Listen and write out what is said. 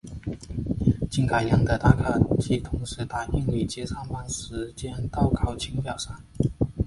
经改良的打卡机同时打印累计上班时间到考勤表上。